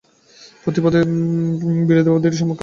প্রতিপদে এই বিরোধী ভাব-দুইটি আমাদের সম্মুখে আসিতেছে।